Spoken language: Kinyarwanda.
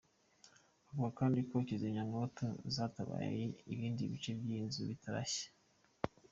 Avuga kandi ko kizimyamoto yatabaye ibindi bice by’iyi nzu bitarashya.